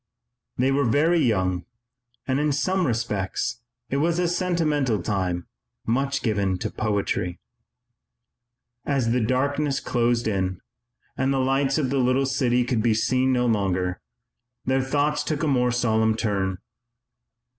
They were very young and, in some respects, it was a sentimental time, much given to poetry. As the darkness closed in and the lights of the little city could be seen no longer, their thoughts took a more solemn turn.